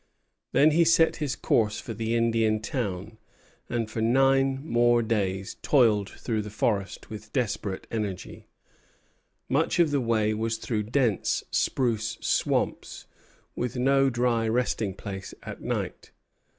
Then he set his course for the Indian town, and for nine days more toiled through the forest with desperate energy. Much of the way was through dense spruce swamps, with no dry resting place at night.